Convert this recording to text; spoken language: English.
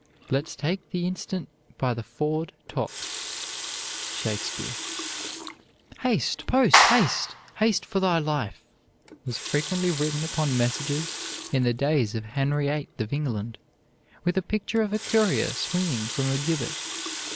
Let's take the instant by the forward top. SHAKESPEARE. "Haste, post, haste! Haste for thy life!" was frequently written upon messages in the days of Henry VIII of England, with a picture of a courier swinging from a gibbet.